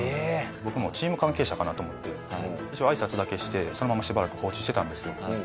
僕もチーム関係者かなと思って一応あいさつだけしてそのまましばらく放置してたんですよ。